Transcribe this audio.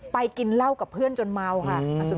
กินเหล้ากับเพื่อนจนเมาค่ะ